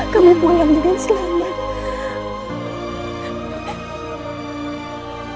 kami pulang dengan selamat